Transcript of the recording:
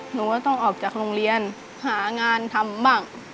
หนูก็ต้องออกจากโรงเรียนหางานทำบ้าง